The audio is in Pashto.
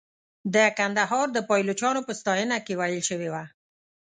د کندهار د پایلوچانو په ستاینه کې ویل شوې وه.